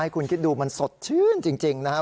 คุณคิดดูมันสดชื่นจริงนะครับ